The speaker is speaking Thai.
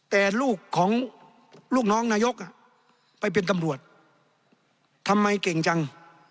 แต่ลูกของลูกน้องนายกไปเป็นตำรวจทำไมเก่งจัง